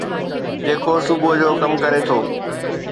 جيڪو صبح جو ڪم ڪري ٿو